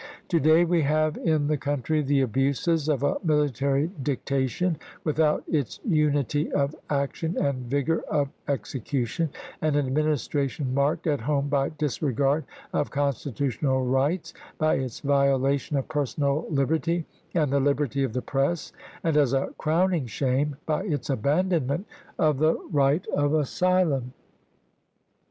.. To day we have in the country the abuses of a military dictation without its unity of action and vigor of execution — an Ad ministration marked at home by disregard of con stitutional rights, by its violation of personal liberty and the liberty of the press, and, as a crowning shame, by its abandonment of the right of asylum."